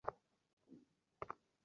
আজকাল আমাদের বড়ো টানাটানির সময়।